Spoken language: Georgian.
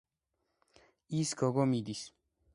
ის გოგო მიდის.